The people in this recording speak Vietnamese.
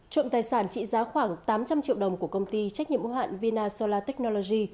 trộm tài sản trị giá khoảng tám trăm linh triệu đồng của công ty trách nhiệm ưu hạn vina solaticnology